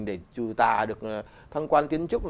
để trừ tà được thăng quan tiến trúc